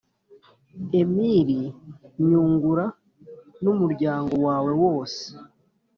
emili nyungura n'umuryango we wose